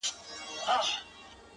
• خدايه ښه نـری بـاران پرې وكړې نن.